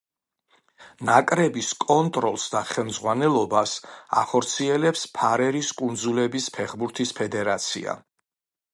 ნაკრების კონტროლს და ხელმძღვანელობას ახორციელებს ფარერის კუნძულების ფეხბურთის ფედერაცია.